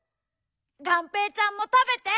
がんぺーちゃんもたべて。